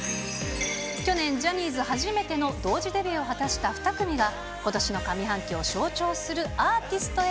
去年ジャニーズ初めての同時デビューを果たした２組が、ことしの上半期を成長するアーティストへ。